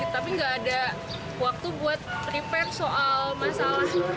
tapi nggak ada waktu buat prepare soal masalah